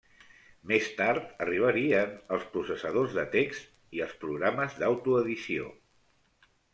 Més tard arribarien els processadors de text i els programes d'autoedició.